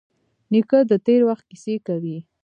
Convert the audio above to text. نیکه د تېر وخت کیسې کوي.